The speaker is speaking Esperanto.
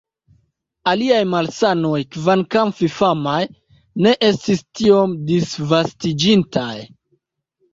Aliaj malsanoj, kvankam fifamaj, ne estis tiom disvastiĝintaj.